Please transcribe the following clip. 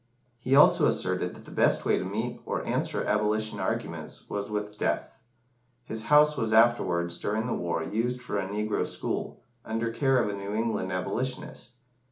He also asserted that the best way to meet or answer Abolition arguments was with death. His house was afterwards, during the war, used for a negro school, under care of a New England Abolitionist.